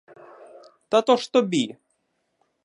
Та то ж тобі!